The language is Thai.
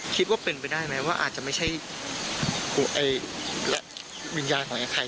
คิดว่าเป็นไปได้ไหมว่าอาจจะไม่ใช่และวิญญาณของไอ้ใคร